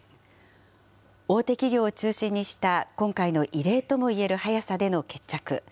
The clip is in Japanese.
大手企業を中心にした今回の異例ともいえる早さでの決着。